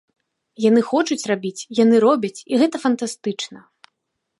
Яны хочуць рабіць, яны робяць, і гэта фантастычна.